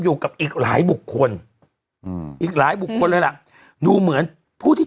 อยู่กับอีกหลายบุคคลอืมอีกหลายบุคคลเลยล่ะดูเหมือนผู้ที่